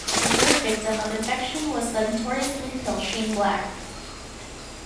The third victim of infection was the notorious bluepill Shane Black.